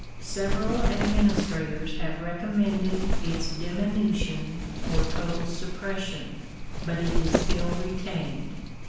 Several administrators have recommended its diminution or total suppression, but it is still retained.